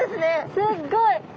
すっごい。